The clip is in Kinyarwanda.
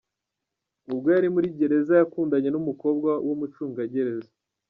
Ubwo yari muri gereza ,yakundanye n’umukobwa w’umucungagereza .